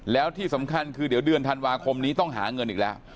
แล้วที่สำคัญคือเดี๋ยวเดือนธันวาคมนี้ต้องหาเงินอีกแล้ว